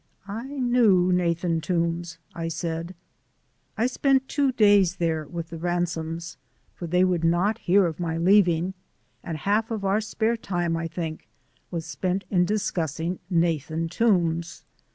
"I knew Nathan Toombs," I said. I spent two days there with the Ransomes, for they would not hear of my leaving, and half of our spare time, I think, was spent in discussing Nathan Toombs.